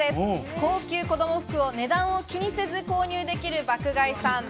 高級子供服を値段を気にせず購入できる爆買いさん。